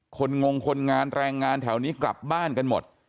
งงคนงานแรงงานแถวนี้กลับบ้านกันหมด